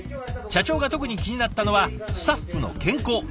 社長が特に気になったのはスタッフの健康。